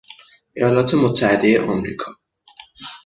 ایالات متحدهی امریکا